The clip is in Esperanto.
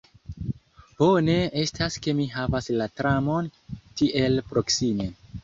Bone estas ke mi havas la tramon tiel proksime.